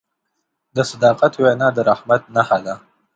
د صداقت وینا د رحمت نښه ده.